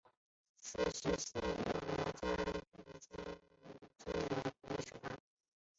此时县治由罗家坪迁至洣水北岸。